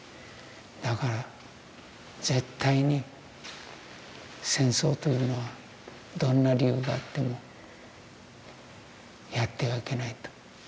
だから絶対に戦争というのはどんな理由があってもやってはいけないと。